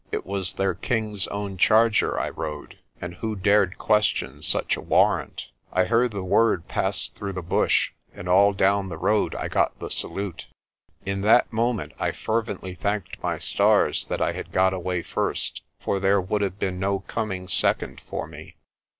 It was their king's own charger I rode, and who dared question such a warrant? I heard the word pass through the bush, and all down the road I got the salute. In that moment I fervently thanked my stars that I had got away first, for there would have been no coming second for me.